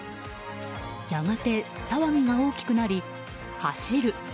やがて、騒ぎが大きくなり走る。